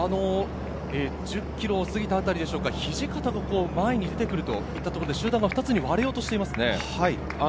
１０ｋｍを過ぎたあたりでしょうか、土方が前に出てくるといったところで集団が２つに割れようとしていますね。